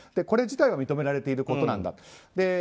これ自体は認められていることなんだと。